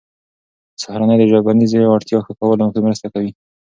سهارنۍ د ژبنیزې وړتیا ښه کولو کې مرسته کوي.